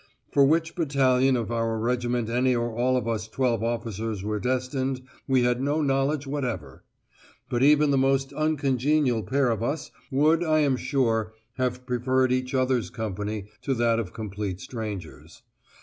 For which battalion of our regiment any or all of us twelve officers were destined, we had no knowledge whatever; but even the most uncongenial pair of us would, I am sure, have preferred each other's company to that of complete strangers.